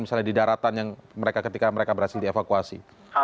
misalnya di daratan ketika mereka berhasil dievakuasi